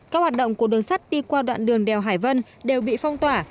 các hoạt động của đường sắt đi qua đoạn đường đèo hải vân đều bị phong tỏa